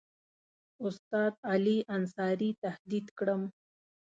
استاد علي انصاري تهدید کړم.